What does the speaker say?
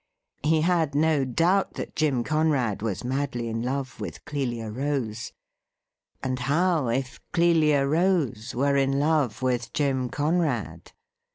He had no doubt that Jim Conrad was madly in love with Clelia Rose; and how if Clelia Rose were in love with Jim Conrad